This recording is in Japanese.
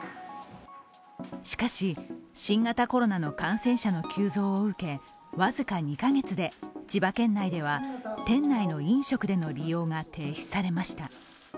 しかし、新型コロナの感染者の急増を受け僅か２カ月で千葉県内では店内の飲食での利用が停止されました。